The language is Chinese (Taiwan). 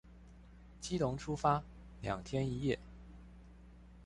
基隆出發兩天一夜